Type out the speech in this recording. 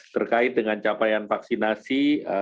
terkait dengan capaian vaksinasi